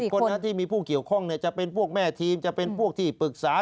คนนั้นที่มีผู้เกี่ยวข้องจะเป็นพวกแม่ทีมจะเป็นพวกที่ปรึกษา